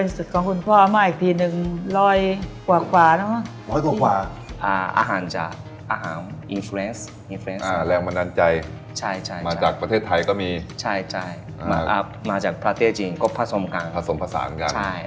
สามารถรับชมได้ทุกวัย